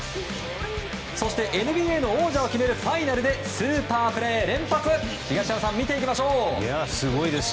そして、ＮＢＡの王者を決めるファイナルでスーパープレー連発東山さん、見ていきましょう。